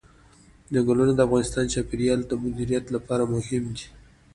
ځنګلونه د افغانستان د چاپیریال د مدیریت لپاره مهم دي.